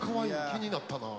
気になったな。